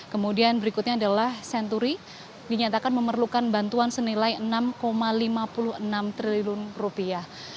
kemudian berikutnya adalah senturi dinyatakan memerlukan bantuan senilai enam lima puluh enam triliun rupiah